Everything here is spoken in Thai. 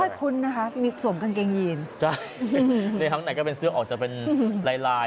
คุ้นนะคะมีสวมกางเกงยีนจ้ะในข้างในก็เป็นเสื้อออกจะเป็นลายลาย